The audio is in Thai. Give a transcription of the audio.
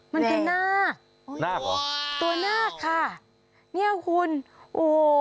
มันคือหน้าตัวหน้าค่ะนี่คุณโอ้โฮ